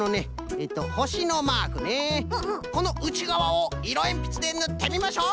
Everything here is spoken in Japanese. えっとほしのマークねこのうちがわをいろえんぴつでぬってみましょう！